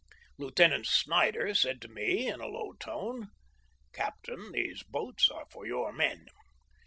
Lieutenant Snyder said to me in a low tone :" Captain, those boats are for your men."